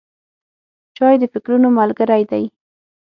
چای د فکرونو ملګری دی.